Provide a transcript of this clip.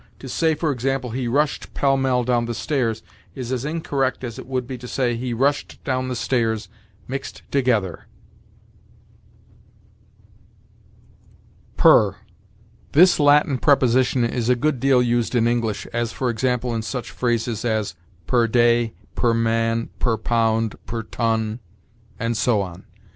To say, for example, "He rushed pell mell down the stairs," is as incorrect as it would be to say, "He rushed down the stairs mixed together." PER. This Latin preposition is a good deal used in English, as, for example, in such phrases as per day, per man, per pound, per ton, and so on.